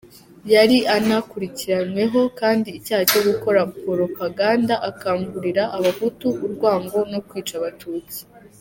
Yari anakurikiranyweho kandi icyaha cyo gukora poropaganda akangurira Abahutu urwango no kwica Abatutsi.